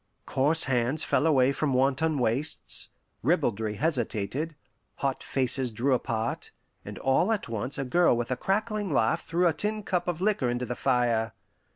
Coarse hands fell away from wanton waists; ribaldry hesitated; hot faces drew apart; and all at once a girl with a crackling laugh threw a tin cup of liquor into the fire.